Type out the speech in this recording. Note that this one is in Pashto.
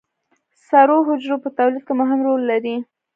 سرو حجرو په تولید کې مهم رول لري